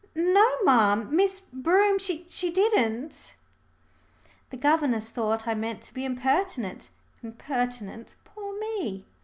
"No, ma'am Miss Broom she didn't." The governess thought I meant to be impertinent impertinent, poor me!